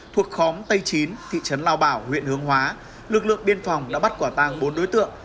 thuộc khóm tây chín thị trấn lao bảo huyện hương hóa lực lượng biên phòng đã bắt quả tàng bốn đối tượng